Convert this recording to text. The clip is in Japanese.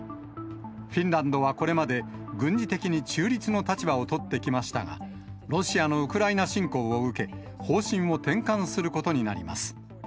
フィンランドはこれまで、軍事的に中立の立場を取ってきましたが、ロシアのウクライナ侵攻を受け、方針を転換することになります。